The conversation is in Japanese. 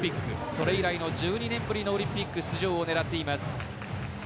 それ以来の１２年ぶりのオリンピック出場を狙っています。